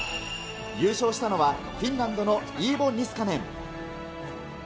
優勝したのは、フィンランドのイーボ・ニスカネン。